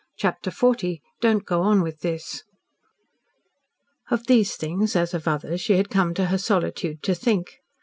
CHAPTER LX "DON'T GO ON WITH THIS" Of these things, as of others, she had come to her solitude to think.